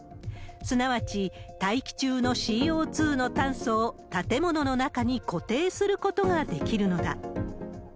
すなわち、大気中のＣＯ２の炭素を建物の中に固定することができるのだ。